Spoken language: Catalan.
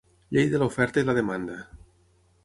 Llei de l'oferta i la demanda.